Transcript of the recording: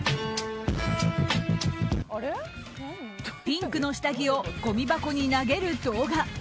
ピンクの下着をごみ箱に投げる動画。